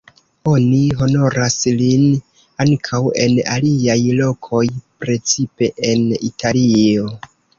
Oni honoras lin ankaŭ en aliaj lokoj, precipe en Italio.